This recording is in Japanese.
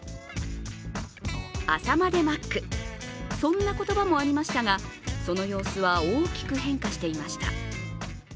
朝までマック、そんな言葉もありましたがその様子は大きく変化していました。